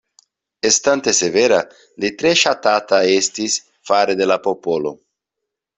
Estante severa li tre ŝatata estis fare de la popolo.